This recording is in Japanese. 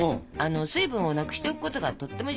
水分をなくしておくことがとっても重要なの。